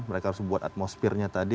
mereka harus buat atmosfernya tadi